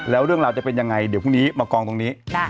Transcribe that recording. แล้วเรื่องราวจะเป็นยังไงเดี๋ยวพรุ่งนี้มากองตรงนี้